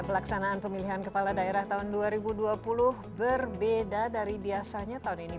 pelaksanaan pemilihan kepala daerah tahun dua ribu dua puluh berbeda dari biasanya tahun ini